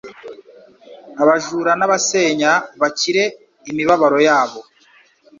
abajura n'abasenya bakire imibabaro yabo